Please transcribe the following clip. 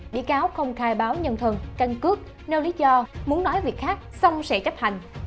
bị cáo không khai báo nhân thân căn cướp nêu lý do muốn nói việc khác xong sẽ chấp hành